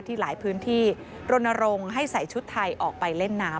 หลายพื้นที่รณรงค์ให้ใส่ชุดไทยออกไปเล่นน้ำ